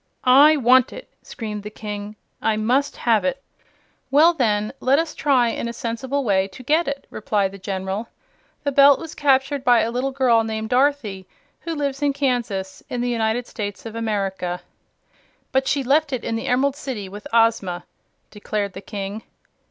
"I want it!" screamed the King. "I must have it." "Well, then, let us try in a sensible way to get it," replied the General. "The Belt was captured by a little girl named Dorothy, who lives in Kansas, in the United States of America." "But she left it in the Emerald City, with Ozma," declared the King.